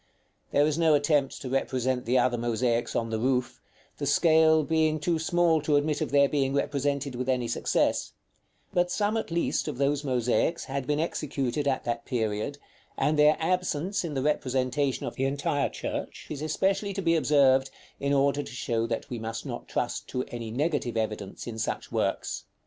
There is no attempt to represent the other mosaics on the roof, the scale being too small to admit of their being represented with any success; but some at least of those mosaics had been executed at that period, and their absence in the representation of the entire church is especially to be observed, in order to show that we must not trust to any negative evidence in such works.